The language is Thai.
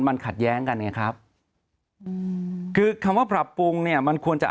มันขัดแย้งกันไงครับอืมคือคำว่าปรับปรุงเนี่ยมันควรจะ